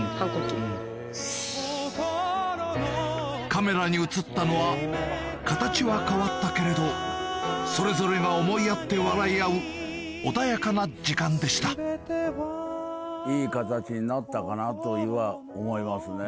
カメラに映ったのは形は変わったけれどそれぞれが思い合って笑い合う穏やかな時間でしたかなと今思いますね。